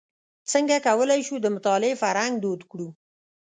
څنګه کولای شو د مطالعې فرهنګ دود کړو.